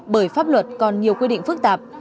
bởi pháp luật còn nhiều quy định phức tạp